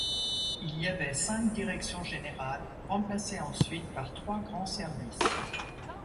Il y avait cinq directions générales remplacées ensuite par trois grands services.